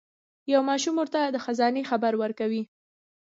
یو ماشوم ورته د خزانې خبر ورکوي.